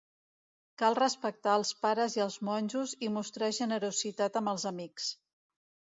Cal respectar els pares i els monjos i mostrar generositat amb els amics.